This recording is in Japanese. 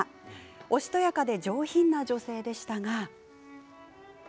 おしとやかで上品な女性でしたが。